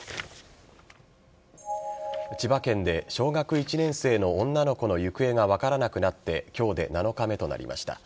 千葉県で小学１年生の女の子の行方が分からなくなって今日で７日目となりました。